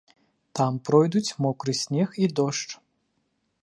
Там пройдуць мокры снег і дождж.